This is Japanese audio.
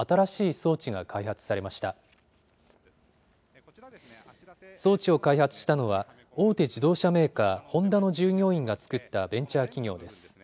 装置を開発したのは、大手自動車メーカー、ホンダの従業員が作ったベンチャー企業です。